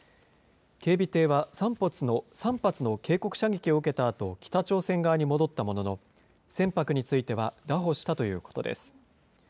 警備艇は３発の警告射撃を受けたあと、北朝鮮側に戻ったものの、船舶については拿捕したということです。